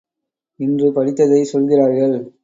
இன்று படித்ததைச் சொல்கிறார்கள்.